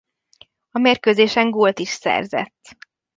A mérkőzésen gólt is szerzett.